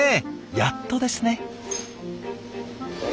やっとですね。